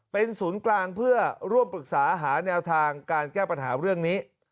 เป็นศูนย์กลางเพื่อร่วมปรึกษาหาแนวทางการแก้ปัญหาเรื่องนี้